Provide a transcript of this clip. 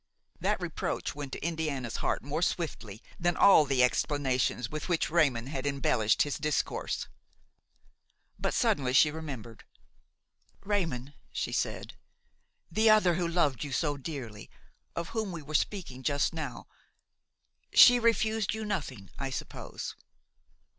That reproach went to Indiana's heart more swiftly than all the exclamations with which Raymon had embellished his discourse. But suddenly she remembered. "Raymon," she said, "the other, who loved you so dearly–of whom we were speaking just now–she refused you nothing, I suppose?"